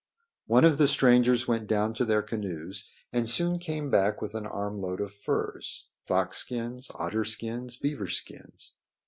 One of the strangers went down to their canoes and soon came back with an armload of furs fox skins, otter skins, beaver skins.